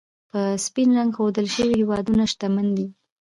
په سپین رنګ ښودل شوي هېوادونه، شتمن دي.